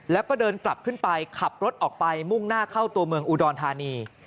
แล้วก็เดินกลับขึ้นไปขับรถออกไปมุ่งหน้าเข้าตัวเมืองอุดรธานี